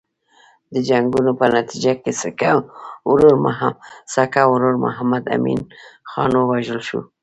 د جنګونو په نتیجه کې سکه ورور محمد امین خان ووژل شو.